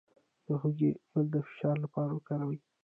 د هوږې ګل د فشار لپاره وکاروئ